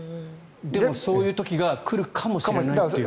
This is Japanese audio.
でも、そういう時が来るかもしれないという。